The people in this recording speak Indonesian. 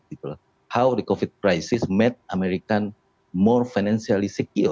bagaimana harga covid sembilan belas membuat amerika lebih secara finansial